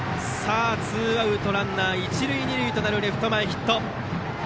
ツーアウトランナー、一塁二塁となるレフト前ヒット。